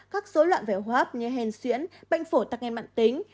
các dối loạn về hô hấp như hèn xuyễn bệnh phổ tắc nghén mạng tính